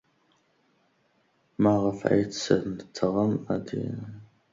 Maɣef ay d-tesmetrem ad yettweg waya?